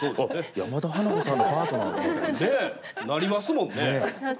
山田花子さんのねえ、なりますもんね。